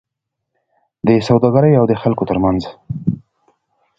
د سوداګرۍاو د خلکو ترمنځ